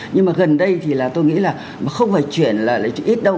nhưng mà gần đây thì là tôi nghĩ là không phải chuyển là lấy đâu